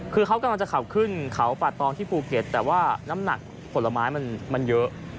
คือเขากำลังจะขับขึ้นเขาป่าตองที่ภูเก็ตแต่ว่าน้ำหนักผลไม้มันเยอะ